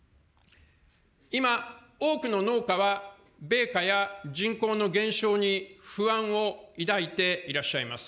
今、多くの農家は米価や人口の減少に不安を抱いていらっしゃいます。